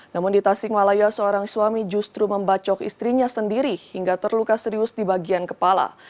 namun di tasikmalaya seorang suami justru membacok istrinya sendiri hingga terluka serius di bagian kepala